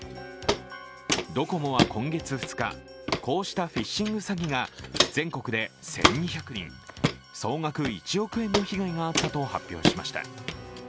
ドコモは今月２日、こうしたフィッシング詐欺が全国で１２００人、総額１億円の被害があったと発表しました。